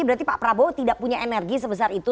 berarti pak prabowo tidak punya energi sebesar itu